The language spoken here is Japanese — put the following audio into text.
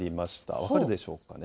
分かるでしょうかね。